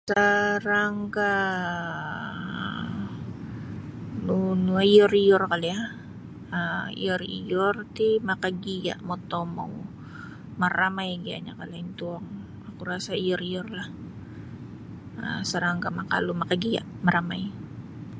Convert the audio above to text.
Sarangga nunu iyor-iyor kali um um iyor-iyor ti makagiya motomou maramai giyanyo kalau intuong oku rasa iyor-iyorlah sarangga makalu makagiya maramai.